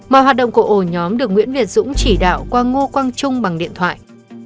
mọi hoạt động của ổ nhóm được nguyễn việt dũng chỉ đạo qua ngô quang trung bằng điện thoại